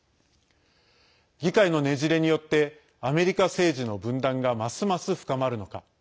議会のねじれによってアメリカ政治の分断がますます深まるのか。